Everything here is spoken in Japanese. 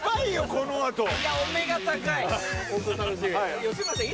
このあといやお目が高いホントに楽しみ吉村さん